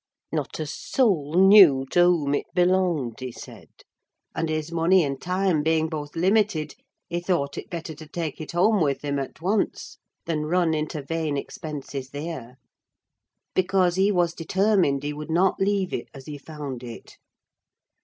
Not a soul knew to whom it belonged, he said; and his money and time being both limited, he thought it better to take it home with him at once, than run into vain expenses there: because he was determined he would not leave it as he found it.